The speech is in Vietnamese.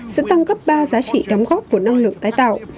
sẽ tăng gấp ba giá trị đóng góp của năng lượng tái tạo